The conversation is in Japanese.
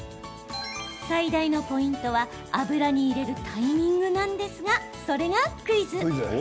最大のポイントは油に入れるタイミングなんですがそれがクイズ。